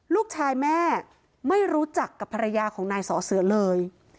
ลูกชายแม่ไม่รู้จักกับภรรยาของนายสอเสือเลย